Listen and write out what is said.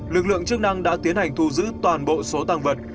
lực lượng chức năng đã tiến hành thu giữ toàn bộ số tăng vật